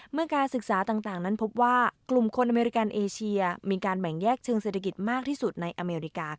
เมื่อการศึกษาต่างนั้นพบว่ากลุ่มคนอเมริกันเอเชียมีการแบ่งแยกเชิงเศรษฐกิจมากที่สุดในอเมริกา